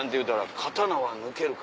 「刀は抜けるか？」